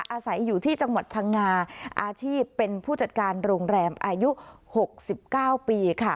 อาศัยอยู่ที่จังหวัดพังงาอาชีพเป็นผู้จัดการโรงแรมอายุ๖๙ปีค่ะ